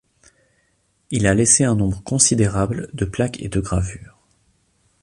Il a laissé un nombre considérable de plaques et de gravures.